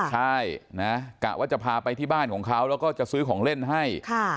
ใช่นะกะว่าจะพาไปที่บ้านของเขาแล้วก็จะซื้อของเล่นให้